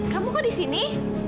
kamu kok di sini